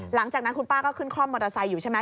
หลังจากนั้นคุณป้าก็ขึ้นคล่อมมอเตอร์ไซค์อยู่ใช่ไหม